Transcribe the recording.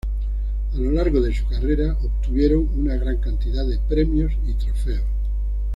A lo largo de su carrera obtuvieron una gran cantidad de premios y trofeos.